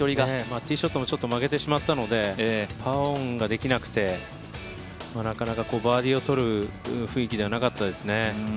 ティーショットも少し曲げてしまったのでパーオンができなくてなかなかバーディーを取る雰囲気ではなかったですよね